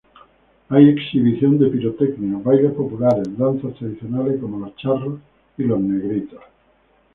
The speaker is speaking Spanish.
Hay exhibición de pirotecnia, bailes populares, danzas tradicionales como los Charros y los Negritos.